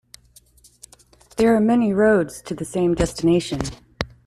There are many roads to the same destination.